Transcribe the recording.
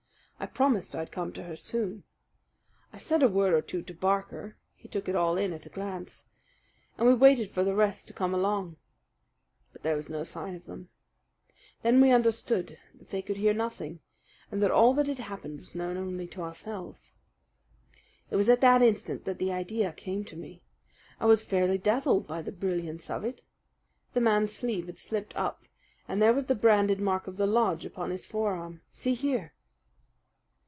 I promised I'd come to her soon. I said a word or two to Barker he took it all in at a glance and we waited for the rest to come along. But there was no sign of them. Then we understood that they could hear nothing, and that all that had happened was known only to ourselves. "It was at that instant that the idea came to me. I was fairly dazzled by the brilliance of it. The man's sleeve had slipped up and there was the branded mark of the lodge upon his forearm. See here!"